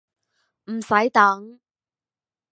唔洗等